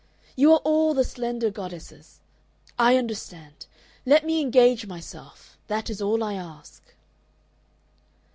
You are all the slender goddesses. I understand. Let me engage myself. That is all I ask."